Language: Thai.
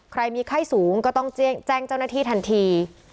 ใครมีไข้สูงก็ต้องแจ้งเจ้าหน้าที่ทันที